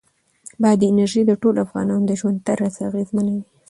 بادي انرژي د ټولو افغانانو د ژوند طرز اغېزمنوي.